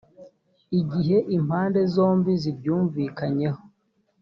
igihe impande zombi zibyumvikanyeho